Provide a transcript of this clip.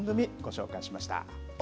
ＮＨＫの番組、ご紹介しました。